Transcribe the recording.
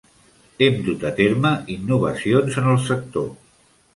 Hem dut a terme innovacions en el sector.